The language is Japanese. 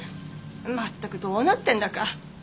まったくどうなってんだか。